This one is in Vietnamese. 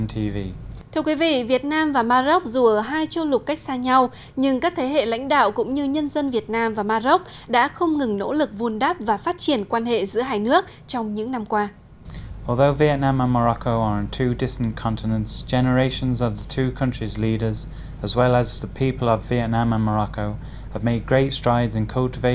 thưa quý vị việt nam và mà rốc dù ở hai châu lục cách xa nhau nhưng các thế hệ lãnh đạo cũng như nhân dân việt nam và mà rốc đã không ngừng nỗ lực vùn đáp và phát triển quan hệ giữa hai nước trong những năm qua